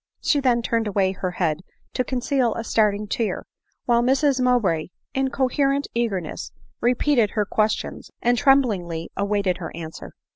She then turned away her head to conceal a starting tear ; while Mrs Mowbray, in incoherent eager ness, repeated her questions, and tremblingly awaited her answer.